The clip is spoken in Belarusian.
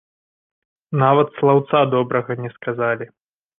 Нават слаўца добрага не сказалі.